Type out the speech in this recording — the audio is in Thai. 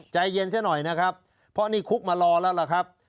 ใจเย็นซะหน่อยนะครับเพราะนี่คุกมารอแล้วล่ะครับ